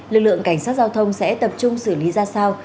lực lượng cảnh sát giao thông sẽ tập trung xử lý ra sao